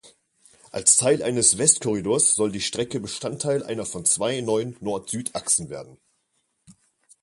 Als Teil eines West-Korridors soll die Strecke Bestandteil einer von zwei neuen Nord-Süd-Achsen werden.